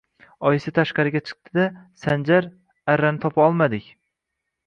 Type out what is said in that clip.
Oyisi tashqariga chiqdi-da, Sanjar, arrani topa olmadik